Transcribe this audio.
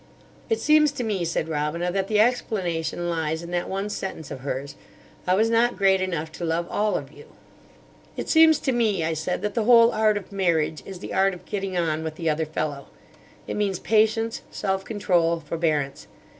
"It seems to me," said Robina, "that the explanation lies in that one sentence of hers: 'I was not great enough to love all of you.'" "It seems to me," I said, "that the whole art of marriage is the art of getting on with the other fellow. It means patience, self control, forbearance.